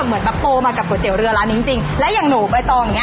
เหมือนพักโตมากับก๋วยเตี๋ยวเรือร้านจริงจริงและอย่างหนูไปตอนเงี้ย